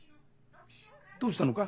どうしたのか？